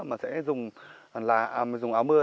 mà sẽ dùng áo mưa